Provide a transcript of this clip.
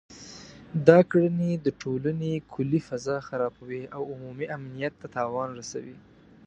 دا کړنې د ټولنې کلي فضا خرابوي او عمومي امنیت ته تاوان رسوي